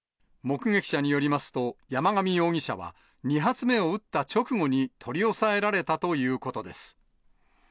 目撃者によりますと、山上容疑者は２発目を撃った直後に取り押さえられたということです。